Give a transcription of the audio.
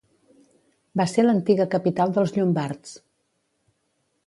Va ser l'antiga capital dels llombards.